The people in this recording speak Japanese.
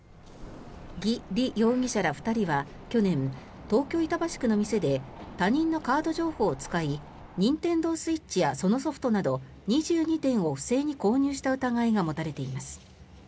ギ・リ容疑者ら２人は去年東京・板橋区の店で他人のカード情報を使いニンテンドースイッチやそのソフトなど２２点を不正に購入した疑いが持たれています。